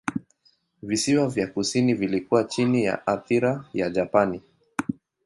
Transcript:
Visiwa vya kusini vilikuwa chini ya athira ya Japani.